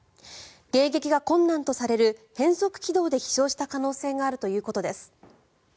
迎撃が困難とされる変則軌道で飛翔した可能性があるということです。